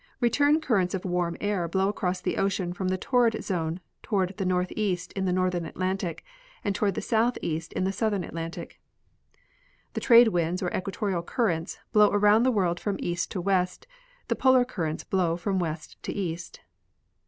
Return currents of warm air blow across the ocean from the torrid zone toward the northeast in the northern Atlantic, and toward the southeast in the southern Atlantic. The trade winds, or equatorial currents, blow around the world from east to west ; the polar currents blow from west to east.